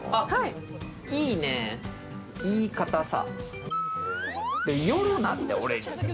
いいね、いい硬さ。